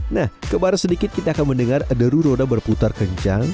nah kebar sedikit kita akan mendengar deru roda berputar kencang